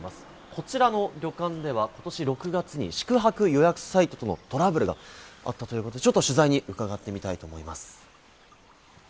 こちらの旅館では、ことし６月に宿泊予約サイトとのトラブルがあったということで、取材に伺ってみたいと思います。